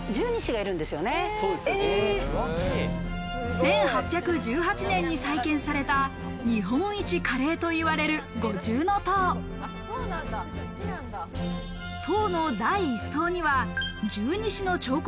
１８１８年に再建された、日本一、華麗といわれる五重塔。